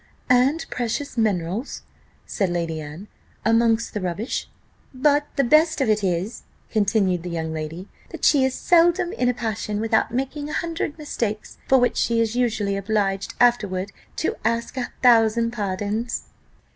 "And precious minerals," said Lady Anne, "amongst the rubbish." "But the best of it is," continued the young lady, "that she is seldom in a passion without making a hundred mistakes, for which she is usually obliged afterwards to ask a thousand pardons."